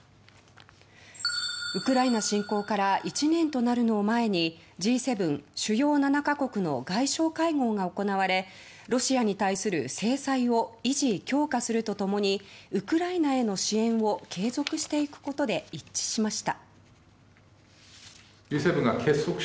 ウクライナ侵攻から１年となるのを前にＧ７・主要７か国の外相会合が行われロシアに対する制裁を維持・強化すると共にウクライナへの支援を継続していくことで一致しました。